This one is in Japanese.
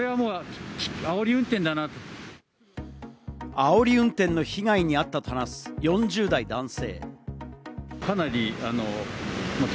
あおり運転の被害に遭ったと話す４０代男性。